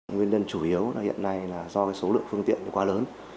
nguyên nhân chủ yếu hiện nay là do số lượng phương tiện quá lớn